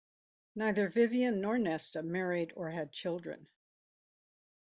Neither Vivien nor Nesta married or had children.